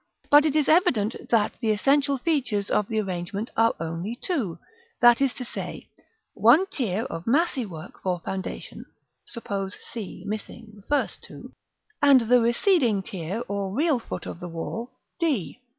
But it is evident that the essential features of the arrangement are only two, that is to say, one tier of massy work for foundation, suppose c, missing the first two; and the receding tier or real foot of the wall, d.